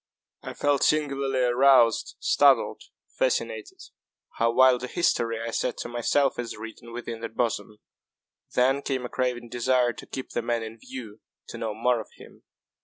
I felt singularly aroused, startled, fascinated. "How wild a history," I said to myself, "is written within that bosom!" Then came a craving desire to keep the man in view to know more of him.